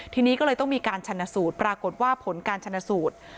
ทีนี้ก็เลยต้องมีการชนะสูตรปรากฏว่าผลการชนะสูตร